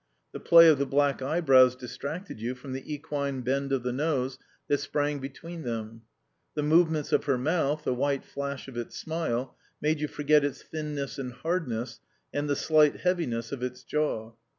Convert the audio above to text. The play of the black eyebrows distracted you from the equine bend of the nose that sprang between them; the movements of her mouth, the white flash of its smile, made you forget its thinness and hardness and the slight heaviness of its jaw.